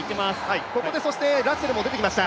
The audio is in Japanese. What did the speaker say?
ここでラッセル選手も出てきました。